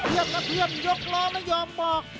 เยื่อนยกล้อไม่ยอมบอก